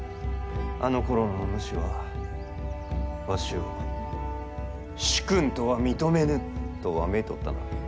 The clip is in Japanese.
あのころのお主は、わしを「主君とは認めぬ」とわめいておったな。